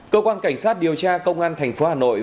cơ quan cảnh sát điều tra công an thành phố hà nội